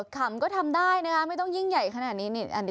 ขำก็ทำได้นะคะไม่ต้องยิ่งใหญ่ขนาดนี้